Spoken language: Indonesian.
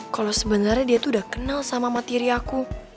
kalau sebenernya dia tuh udah kenal sama mama tiri aku